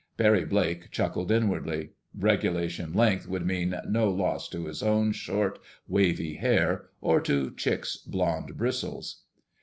Barry Blake chuckled inwardly. "Regulation length" would mean no loss to his own short, wavy hair, or to Chick's blond bristles.